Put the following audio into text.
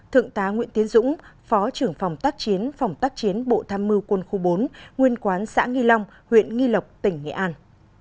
hai thượng tá nguyễn tiến dũng phó trưởng phòng tác chiến phòng tác chiến bộ tham mưu quân khu bốn nguyên quán xã nghi long huyện nghi lộc tỉnh nghệ an